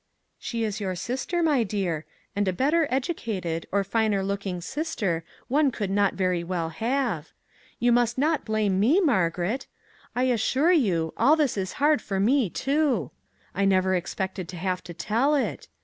"" She is your sister, my dear, and a better educated or finer looking sister one could not very well have. You must not blame me, Mar garet. I assure you, all this is hard for me, too. I never expected to have to tell it.